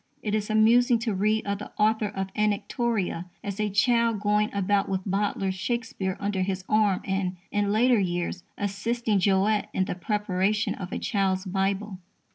It is amusing to read of the author of Anactoria as a child going about with Bowdler's Shakespeare under his arm and, in later years, assisting Jowett in the preparation of a _Child's Bible.